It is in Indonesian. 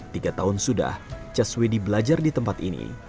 tiga tahun sudah caswedi belajar di tempat ini